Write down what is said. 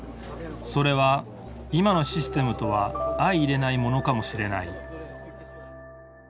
それは今のシステムとは相いれないものかもしれない